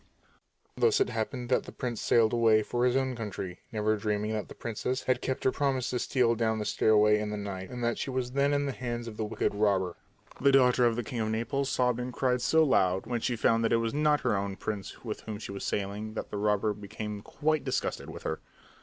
Thus it happened that the prince sailed away for his own country, never dreaming that the princess had kept her promise to steal down the stairway in the night and that she was then in the hands of the wicked robber. The daughter of the king of Naples sobbed and cried so loud when she found that it was not her own prince with whom she was sailing that the robber became quite disgusted with her.